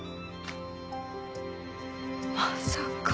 まさか。